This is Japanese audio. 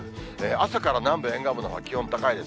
朝から南部、沿岸部のほうは気温高いです。